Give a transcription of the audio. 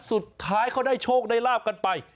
สุดท้ายเขาได้โชคได้ลาบกันไป